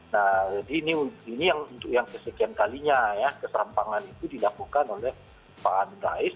nah jadi ini yang untuk yang kesekian kalinya ya keserampangan itu dilakukan oleh pak amin rais